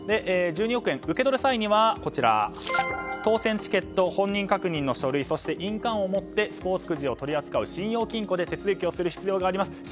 １２億円、受け取る際には当せんチケット、本人確認の書類そして印鑑を持ってスポーツくじを取り扱う信用金庫で手続きをする必要があります。